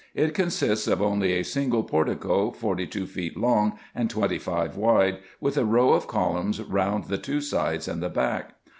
It consists of only a single portico, forty two feet long and twenty five wide, with a row of columns round the two sides and the back.